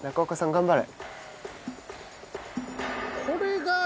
頑張れ。